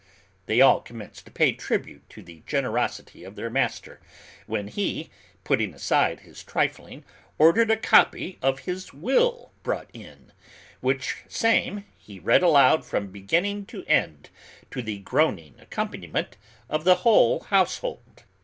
They all commenced to pay tribute to the generosity of their master, when he, putting aside his trifling, ordered a copy of his will brought in, which same he read aloud from beginning to end, to the groaning accompaniment of the whole household.